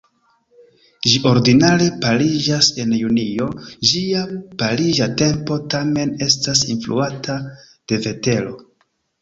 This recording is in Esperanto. Ĝi ordinare pariĝas en junio, ĝia pariĝa tempo tamen estas influata de vetero.